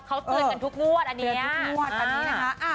เขาเตือนกันทุกงวดอันนี้